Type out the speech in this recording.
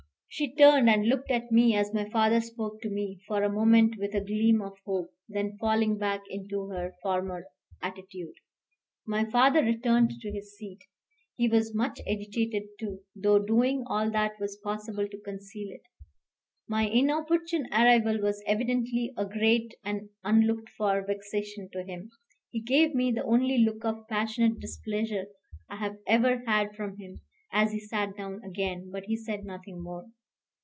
She turned and looked at me as my father spoke to me, for a moment with a gleam of hope, then falling back into her former attitude. My father returned to his seat. He was much agitated too, though doing all that was possible to conceal it. My inopportune arrival was evidently a great and unlooked for vexation to him. He gave me the only look of passionate displeasure I have ever had from him, as he sat down again; but he said nothing more.